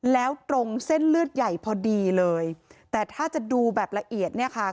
แล้วตรงเส้นเลือดใหญ่พอดีเลยแต่ถ้าจะดูแบบละเอียดเนี่ยค่ะ